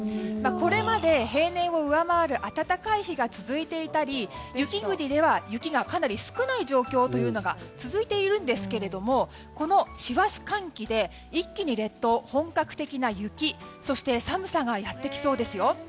これまで平年を上回る暖かい日が続いていたり雪国では雪がかなり少ない状況が続いているんですけどもこの師走寒気で一気に列島、本格的な雪そして寒さがやってきそうですよ。